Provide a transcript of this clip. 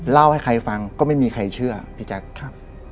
เล่าให้ใครฟังก็ไม่มีใครเชื่อพี่แจ๊คครับ